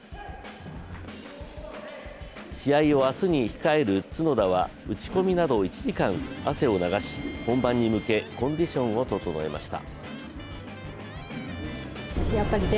試合を明日に控える角田は打ち込みなど１時間、汗を流し本番に向け、コンディションを整えました。